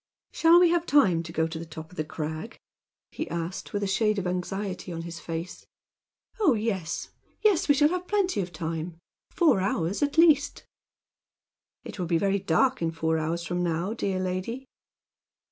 "Shall we have time to go to the top of the crag?" he asked, with a shade of anxiety on his face. "Oh, yes! yes! We shall have plenty of time four hours, at least." "It will be very dark in four hours from now, dear lady."